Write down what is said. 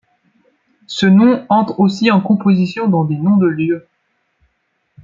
Ce nom entre aussi en composition dans des noms de lieu.